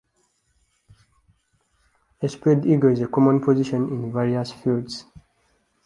A spreadeagle is a common position in various fields.